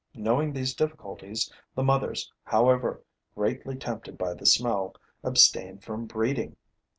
Knowing these difficulties, the mothers, however greatly tempted by the smell, abstain from breeding.